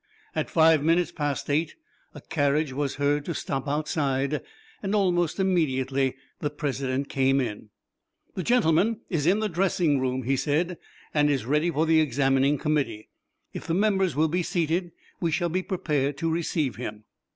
At five minutes past eight a carriage was heard to stop outside, and almost immediately the President came in. "The gentleman is in the dressing room," he said, "and is ready for the examining committee. If the members will be seated, we shall be prepared to receive him."